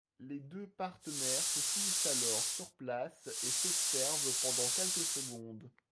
Les deux partenaires se figent alors sur place et s’observent pendant quelques secondes.